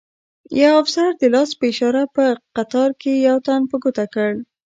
یو افسر د لاس په اشاره په قطار کې یو تن په ګوته کړ.